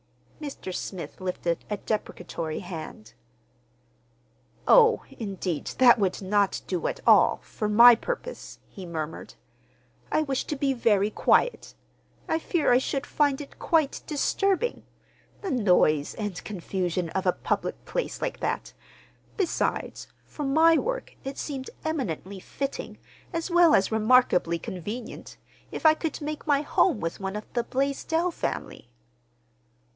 Mr. Smith lifted a deprecatory hand. "Oh, indeed, that would not do at all—for my purpose," he murmured. "I wish to be very quiet. I fear I should find it quite disturbing—the noise and confusion of a public place like that. Besides, for my work, it seemed eminently fitting, as well as remarkably convenient, if I could make my home with one of the Blaisdell family."